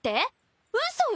嘘よ！